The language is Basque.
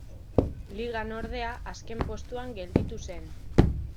Ligan ordea azken postuan gelditu zen.